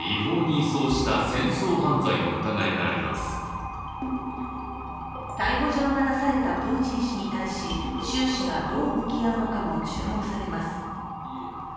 更に逮捕状が出されたプーチン氏に対し、習氏がどう向き合うのかも注目されます。